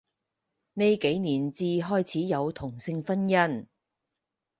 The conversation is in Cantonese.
呢幾年至開始有同性婚姻